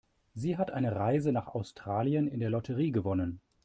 Sie hat eine Reise nach Australien in der Lotterie gewonnen.